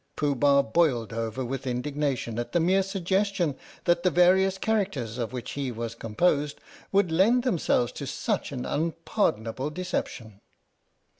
Pooh Bah boiled over with indignation at the mere suggestion that the various characters of which he was composed would lend themselves to such an unpardonable deception.